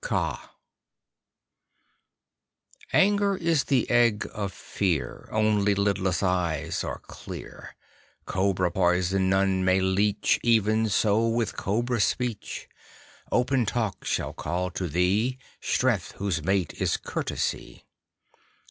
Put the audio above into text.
_ KAA Anger is the egg of Fear Only lidless eyes are clear. Cobra poison none may leech; Even so with Cobra speech. Open talk shall call to thee Strength, whose mate is Courtesy.